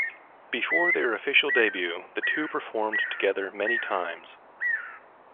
Before their official debut, the two performed together many times.